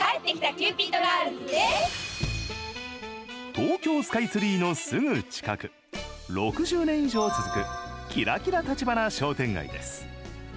東京スカイツリーのすぐ近く６０年以上続くキラキラ橘商店街です。